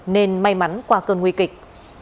nên may mắn qua cơn nguy kịch